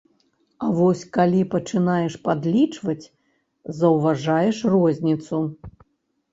А вось калі пачынаеш падлічваць, заўважаеш розніцу.